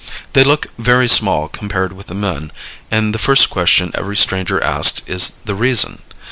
They look very small, compared with the men, and the first question every stranger asks is the reason.